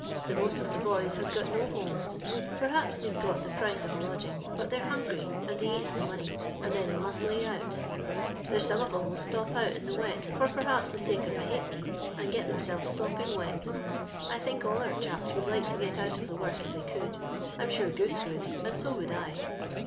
The most of the boys has got no homes. Perhaps they've got the price of a lodging, but they're hungry, and they eats the money, and then they must lay out There's some of 'em will stop out in the wet for perhaps the sake of a halfpenny, and get themselves sopping wet. I think all our chaps would like to get out of the work if they could; I'm sure Goose would, and so would I.